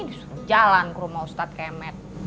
terus jalan ke rumah ustadz kemet